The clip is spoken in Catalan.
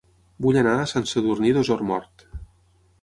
Vull anar a Sant Sadurní d'Osormort